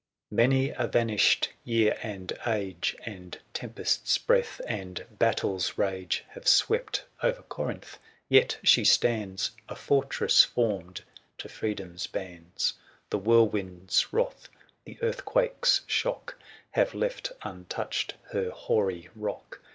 Many a vanished year and age, And tempest's breath, and battle's rage, Have swept o'er Corinth ; yet she stands A fortress formed to Freedom's hands. The whirlwind's wrath, the earthquake's shock, 5 Have left untouched her hoary rock.